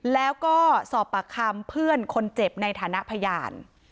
แล้วก็สอบปากคำเพื่อนคนเจ็บในฐานะพยาน